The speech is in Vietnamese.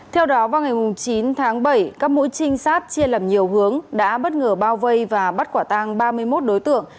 theo đó vào ngày chín tháng bảy các mũi trinh sát chia làm nhiều hướng đã bất ngờ bao vây và bắt quả tang ba mươi một đối tượng